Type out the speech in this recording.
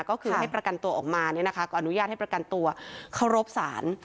ก็คือให้ประกันตัวออกมาก็อนุญาตให้ประกันตัวเคารพศาล